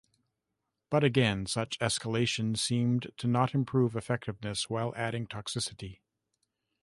But again, such escalation seemed to not improve effectiveness while adding toxicity.